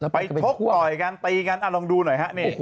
ไปทกปล่อยกันตีกันลองดูหน่อยฮะเนี่ย